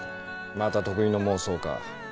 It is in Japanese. また得意の妄想か。